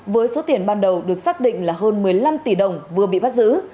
với số tiền ban đầu được xác định là hơn một mươi năm tỷ đồng vừa bị bắt giữ